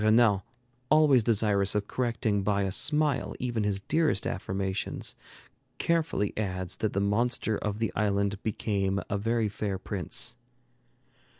Renan, always desirous of correcting by a smile even his dearest affirmations, carefully adds that the monster of the island became a very fair prince.